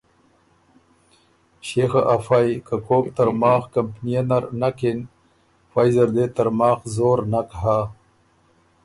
ݭيې خه افئ که کوک ترماخ کمپنيې نر نکِن فئ زر دې ترماخ زور نک هۀ